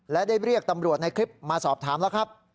และได้เรียกตำรวจในคลิปมาสอบถามแล้วครับ